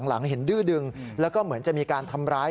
พระขู่คนที่เข้าไปคุยกับพระรูปนี้